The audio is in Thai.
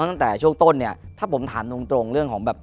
ตั้งแต่ช่วงต้นเนี่ยถ้าผมถามตรงตรงเรื่องของแบบ